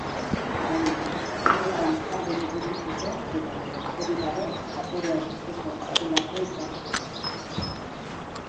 Baina eskuetan zerbait edukitzeko edo besterik gabe zaporea gustuko dutelako izan daiteke.